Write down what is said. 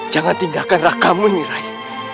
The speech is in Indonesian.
jangan tindakan rakamu ini rai